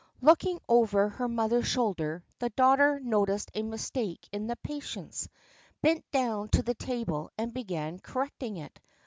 Looking over her mother's shoulder, the daughter noticed a mistake in the patience, bent down to the table and began correcting it.